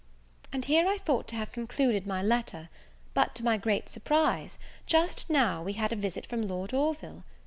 And here I thought to have concluded my letter; but, to my great surprise, just now we had a visit from Lord Orville.